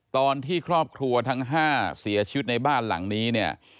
ตอนที่ครอบครัวทั้ง๕เสียชีวิตในบ้านหลังนี้เนี่ย